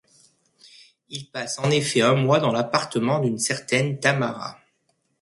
Il passe en effet un mois dans l'appartement d'une certaine Tamara.